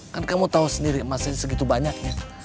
kan kamu tau sendiri emas saya segitu banyaknya